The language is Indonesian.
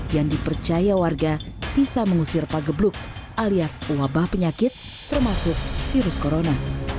yang dipercaya warga bisa mengusir pagebluk alias wabah penyakit termasuk virus corona